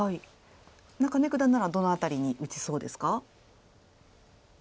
中根九段ならどの辺りに打ちそうですか？